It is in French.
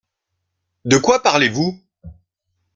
De quoi parlez-vous ?